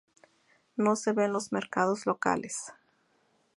No se ve en los mercados locales.